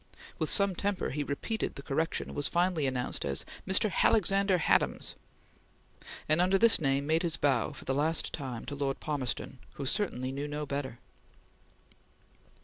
With some temper he repeated the correction, and was finally announced as "Mr. Halexander Hadams," and under this name made his bow for the last time to Lord Palmerston who certainly knew no better.